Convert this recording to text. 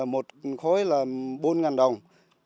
một khối là bốn đồng